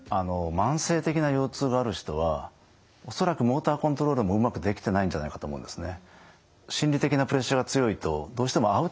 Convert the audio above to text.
慢性的な腰痛がある人は恐らくモーターコントロールもうまくできてないんじゃないかと思うんですね。